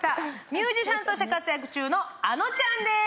ミュージシャンとして活躍中のあのちゃんです。